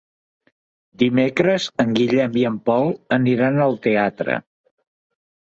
Dimecres en Guillem i en Pol aniran al teatre.